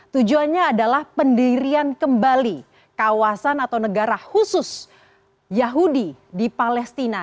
tujuannya adalah pendirian kembali kawasan atau negara khusus yahudi di palestina